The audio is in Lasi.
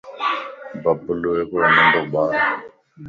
ببلو ھڪڙو ننڍو ٻار